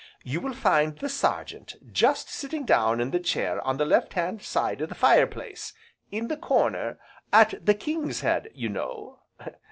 You will find the Sergeant just sitting down in the chair on the left hand side of the fire place, in the corner, at the 'King's Head,' you know.